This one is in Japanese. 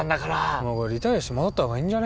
もうリタイアして戻った方がいいんじゃね。